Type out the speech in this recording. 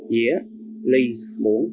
dĩa ly muỗng